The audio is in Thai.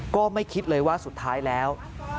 ก็ไม่คิดเลยว่าสุดท้ายแล้ว